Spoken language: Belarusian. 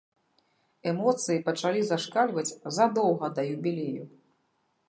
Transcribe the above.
Эмоцыі пачалі зашкальваць задоўга да юбілею.